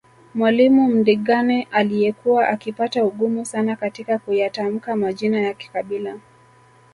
Mwalimu Mdingane aliyekuwa akipata ugumu sana katika kuyatamka Majina ya kikabila